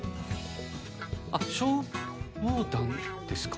あっ消防団ですか？